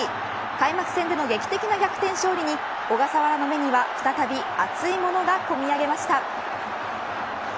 開幕戦での劇的な逆転勝利に小笠原の目には再び熱いものが込み上げました。